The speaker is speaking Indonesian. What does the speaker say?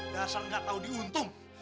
dasar gak tahu diuntung